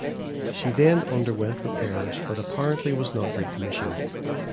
She then underwent repairs but apparently was not recommissioned.